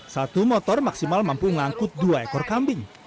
satu motor maksimal mampu mengangkut dua ekor kambing